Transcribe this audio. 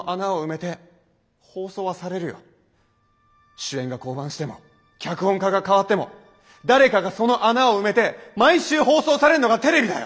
主演が降板しても脚本家がかわっても誰かがその穴を埋めて毎週放送されんのがテレビだよ。